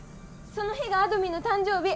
その日があどミンの誕生日！